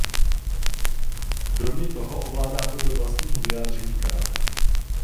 Kromě toho ovládá podle vlastního vyjádření karate.